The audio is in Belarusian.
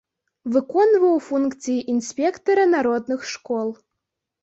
Выконваў функцыі інспектара народных школ.